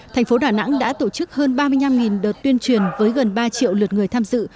thành phố đà nẵng đã tổ chức hơn ba mươi năm đợt tuyên truyền với gần ba triệu lượt người tham dự